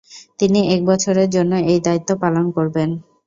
তিনি এক বছরের জন্য এ দায়িত্ব পালন করবেন।